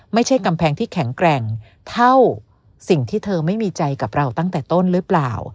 ไม่ใช่กำแพงที่แข็งแกร่งเท่าสิ่งที่เธอไม่มีใจกับเราตั้งแต่ต้นหรือเปล่า